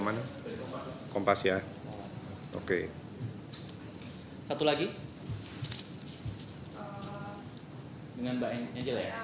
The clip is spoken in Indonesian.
mungkin bisa ditunjukkan dan terus dijelasin